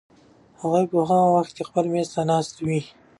هغوی به په هغه وخت کې په خپلو مېزو ناست وي.